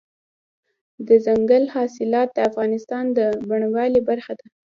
دځنګل حاصلات د افغانستان د بڼوالۍ برخه ده.